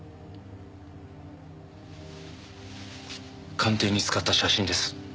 鑑定に使った写真です。